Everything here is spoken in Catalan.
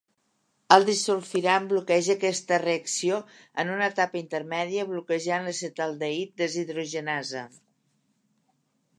El disulfiram bloqueja aquesta reacció en una etapa intermèdia bloquejant l'acetaldehid deshidrogenasa.